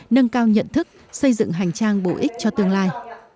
nâng cao nhận thức xây dựng hành trang bổ ích cho tương lai